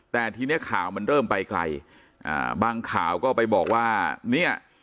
แต่ทีเนี้ยข่าวมันเริ่มไปไกลอ่าบางข่าวก็ไปบอกว่าเนี่ย